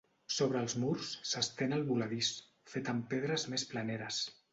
Sobre els murs s'estén el voladís, fet amb pedres més planeres.